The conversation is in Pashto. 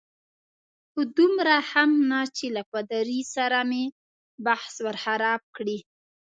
خو دومره هم نه چې له پادري سره مې بحث ور خراب کړي.